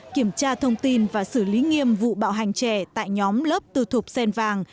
kiểm tra thông tin và xử lý nghiêm vụ bạo hành trẻ tại nhóm lớp từ thục xen vàng